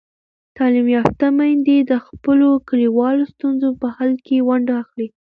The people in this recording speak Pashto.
تعلیم یافته میندې د خپلو کلیوالو ستونزو په حل کې ونډه اخلي.